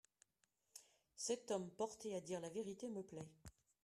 Cet homme, porté à dire la vérité, me plait.